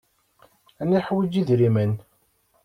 Ad neḥwiǧ idrimen.